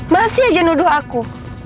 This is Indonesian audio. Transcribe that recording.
masih aja nuduh aku